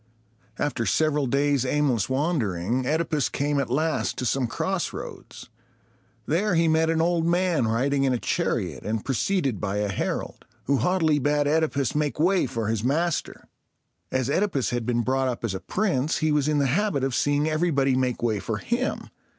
After several days' aimless wandering, OEdipus came at last to some crossroads. There he met an old man riding in a chariot, and preceded by a herald, who haughtily bade OEdipus make way for his master. As OEdipus had been brought up as a prince, he was in the habit of seeing everybody make way for him.